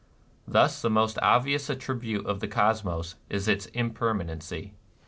Thus the most obvi ous attribute of the Cosmos is its imper manency."